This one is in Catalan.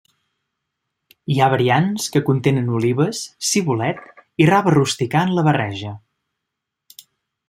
Hi ha variants que contenen olives, cibulet i rave rusticà en la barreja.